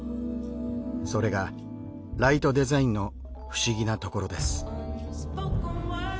それがライトデザインの不思議なところです。